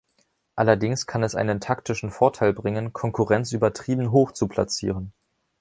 Allerdings kann es einen taktischen Vorteil bringen, Konkurrenz übertrieben hoch zu platzieren.